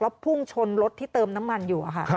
แล้วพุ่งชนรถที่เติมน้ำมันอยู่ค่ะ